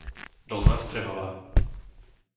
Dolná Strehová